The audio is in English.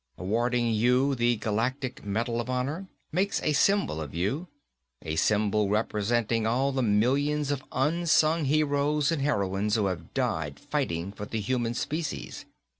Awarding you the Galactic Medal of Honor makes a symbol of you. A symbol representing all the millions of unsung heroes and heroines who have died fighting for the human species.